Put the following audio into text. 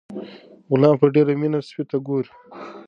غلام په ډیره مینه سپي ته ګوري.